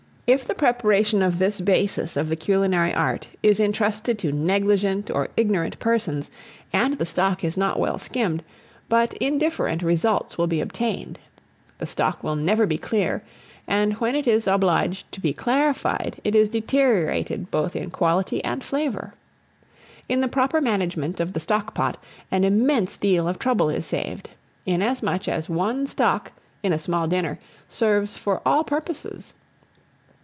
If the preparation of this basis of the culinary art is intrusted to negligent or ignorant persons, and the stock is not well skimmed, but indifferent results will be obtained. The stock will never be clear; and when it is obliged to be clarified, it is deteriorated both in quality and flavour. In the proper management of the stock pot an immense deal of trouble is saved, inasmuch as one stock, in a small dinner, serves for all purposes.